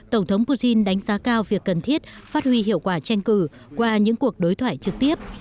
tổng thống putin đánh giá cao việc cần thiết phát huy hiệu quả tranh cử qua những cuộc đối thoại trực tiếp